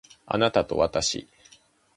あなたとわたし